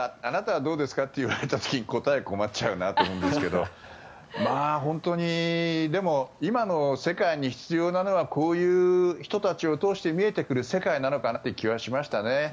あなたはどうですか？と言われた時に答えに困っちゃうなと思うんですがでも、今の世界に必要なのはこういう人たちを通して見えてくる世界なのかなという気はしましたね。